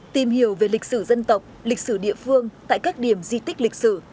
tìm hiểu về lịch sử dân tộc lịch sử địa phương tại các điểm di tích lịch sử